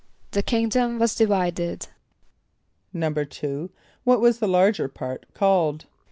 =The kingdom was divided.= =2.= What was the larger part called?